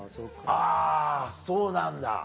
あぁそうなんだ。